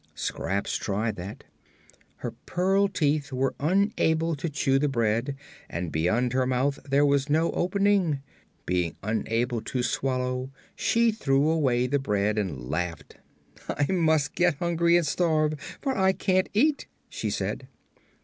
Scraps tried that. Her pearl teeth were unable to chew the bread and beyond her mouth there was no opening. Being unable to swallow she threw away the bread and laughed. "I must get hungry and starve, for I can't eat," she said.